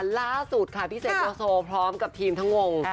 ล่าสุดค่ะพี่เสกโลโซพร้อมกับทีมทั้งวง